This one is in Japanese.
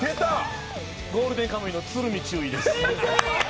「ゴールデンカムイ」の鶴見中尉です。